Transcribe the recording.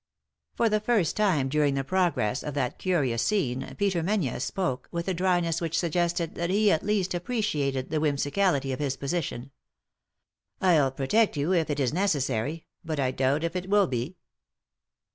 For the first time during the progress of that curious scene Peter Menzies spoke, with a dryness which suggested that he at least appreciated the whimsicality of his position. " I'll protect you, if it is necessary ; but I doubt if it will be."